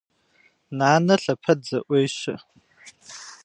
Нанэ лъэпэд зэӏуещэ.